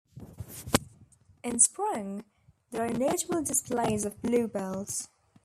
In spring, there are notable displays of bluebells.